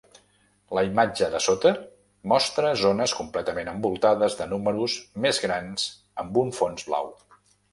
La imatge de sota mostra zones completament envoltades de números més grans amb un fons blau.